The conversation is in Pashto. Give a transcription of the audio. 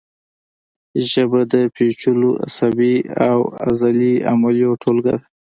ژبه د پیچلو عصبي او عضلي عملیو ټولګه ده